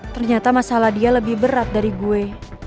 ternyata masalah dia lebih berat dari gue